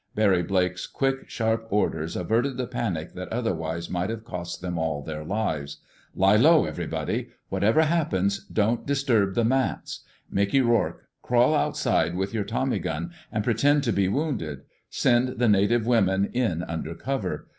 Barry Blake's quick, sharp orders averted the panic that otherwise might have cost them all their lives. "Lie low, everybody. Whatever happens, don't disturb the mats. Mickey Rourke, crawl outside with your tommy gun and pretend to be wounded. Send the native women in under cover.